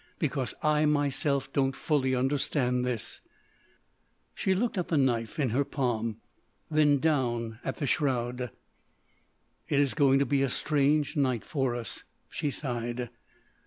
"Because I myself don't fully understand this"—she looked at the knife in her palm, then down at the shroud. "It is going to be a strange night for us," she sighed.